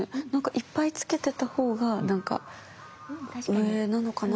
いっぱいつけてた方がなんか上なのかな？